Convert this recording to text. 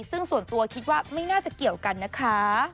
ซึ่งส่วนตัวคิดว่าไม่น่าจะเกี่ยวกันนะคะ